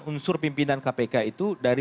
unsur pimpinan kpk itu dari